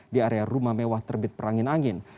di area rumah mewah terbit perangin angin